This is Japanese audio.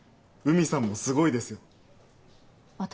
海さんもすごいですよ私？